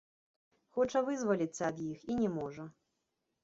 Хоча вызваліцца ад іх і не можа.